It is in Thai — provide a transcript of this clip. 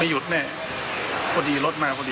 ดีใจมากครับที่เด็กมันเป็นอะไร